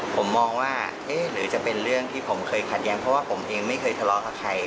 ผมมองว่าเอ๊ะหรือจะเป็นเรื่องที่ผมเคยขัดแย้งเพราะว่าผมเองไม่เคยทะเลาะกับใคร